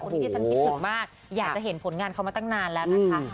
ที่ฉันคิดถึงมากอยากจะเห็นผลงานเขามาตั้งนานแล้วนะคะ